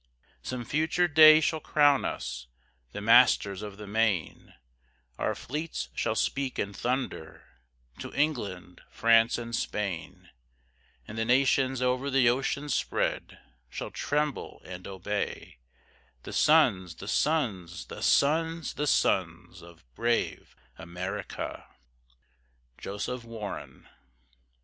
Some future day shall crown us, The masters of the main, Our fleets shall speak in thunder To England, France, and Spain; And the nations over the ocean spread Shall tremble and obey The sons, the sons, the sons, the sons Of brave America. JOSEPH WARREN.